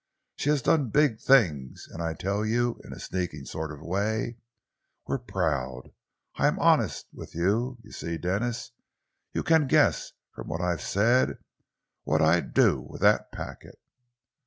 She has done big things, and I tell you, in a sneaking sort of way we're proud. I am honest with you, you see, Denis. You can guess, from what I've said, what I'd do with that packet."